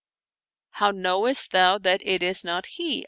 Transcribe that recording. *' How knowest thou that it is not he